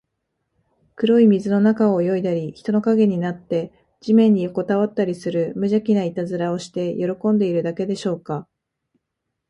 黒い水の中を泳いだり、人の影になって地面によこたわったりする、むじゃきないたずらをして喜んでいるだけでしょうか。